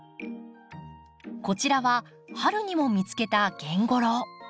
こちらは春にも見つけたゲンゴロウ。